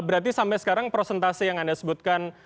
berarti sampai sekarang prosentase yang anda sebutkan